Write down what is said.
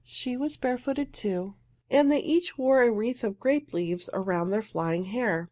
She was barefooted, too, and they each wore a wreath of grape leaves around their flying hair.